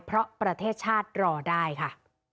เพราะประเทศชาติรอได้ค่ะ